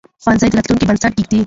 ښوونځی د راتلونکي بنسټ ږدي